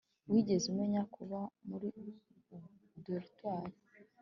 wigeze umenyera kuba muri dortoir